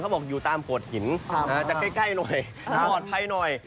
บอกอยู่ตามโขดหินจะใกล้หน่อยปลอดภัยหน่อย